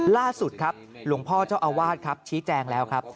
ล่าสุดครับหลวงพ่อเจ้าอาวาสครับชี้แจงแล้วครับ